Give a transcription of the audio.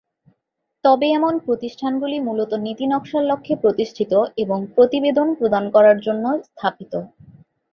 তবে এমন প্রতিষ্ঠানগুলি মূলত নীতি নকশার লক্ষ্যে প্রতিষ্ঠিত এবং প্রতিবেদন প্রদান করার জন্য স্থাপিত।